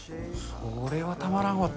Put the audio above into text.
これはたまらんわ。